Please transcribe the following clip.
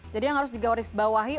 jadi yang harus digawarisbawahi